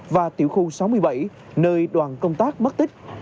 và tiểu khu sáu mươi bảy nơi đoàn công tác mất tích